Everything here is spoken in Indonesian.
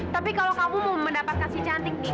tapi kalau kamu mau mendapatkan si cantik ndi